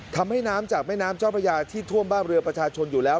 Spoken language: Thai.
ทำให้น้ำจากแม่น้ำเจ้าพระยาที่ท่วมบ้านเรือประชาชนอยู่แล้ว